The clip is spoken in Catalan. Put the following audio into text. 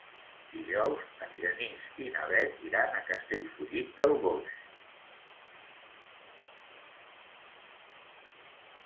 Dijous en Genís i na Bet iran a Castellfollit del Boix.